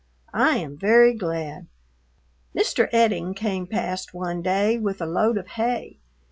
I am very glad. Mr Edding came past one day with a load of hay.